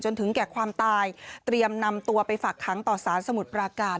ถึงแก่ความตายเตรียมนำตัวไปฝากค้างต่อสารสมุทรปราการ